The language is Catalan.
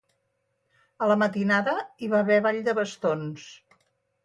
A la matinada, hi va haver ball de bastons.